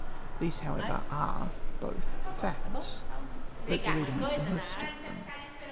These, however, are both facts. Let the reader make the most of them.